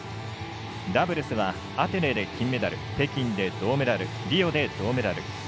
ダブルスはアテネで金メダル北京で銅メダル、リオで銅メダル。